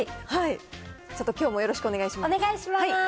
ちょっときょうもよろしくお願いします。